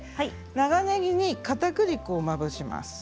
長ねぎにかたくり粉をまぶします。